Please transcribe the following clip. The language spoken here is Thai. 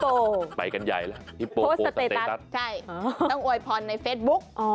โพสต์สเตตัสใช่ต้องอวยพรในเฟซบุ๊ก